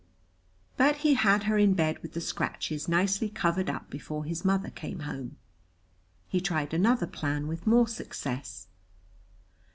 But he had her in bed with the scratches nicely covered up before his mother came home. He tried another plan with more success.